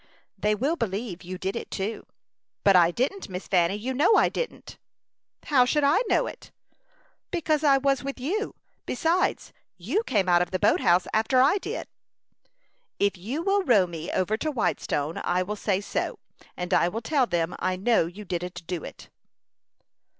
"They will believe you did it, too." "But I didn't, Miss Fanny. You know I didn't." "How should I know it?" "Because I was with you; besides, you came out of the boat house after I did." "If you will row me over to Whitestone, I will say so; and I will tell them I know you didn't do it."